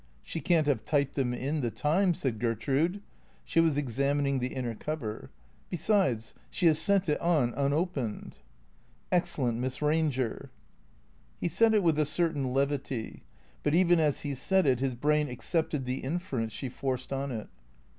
" She can't have typed them in the time," said Gertrude. She was examining the inner cover. " Besides, she has sent it on unopened." " Excellent Miss Eanger !" He said it with a certain levity. But even as he said it his brain accepted the inference she forced on it.